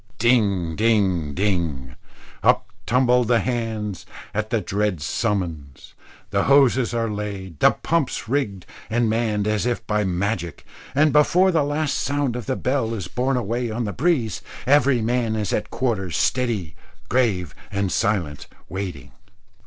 Ding, ding, ding up tumble the hands at the dread summons. The hoses are laid, the pumps rigged and manned as if by magic, and before the last sound of the bell is borne away on the breeze, every man is at quarters, steady, grave, and silent waiting.